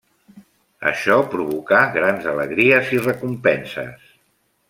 Això provocà grans alegries i recompenses.